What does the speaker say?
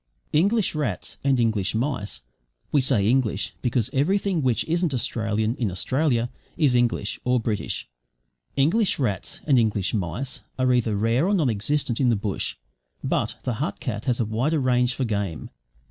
English rats and English mice we say "English" because everything which isn't Australian in Australia, IS English (or British) English rats and English mice are either rare or non existent in the bush; but the hut cat has a wider range for game.